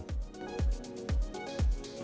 kalau harga gabah di tingkat petani itu tinggi